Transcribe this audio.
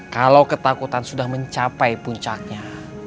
kalau ketakutan sudah mencapai puncaknya